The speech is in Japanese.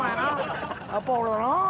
やっぱ俺だなあ」。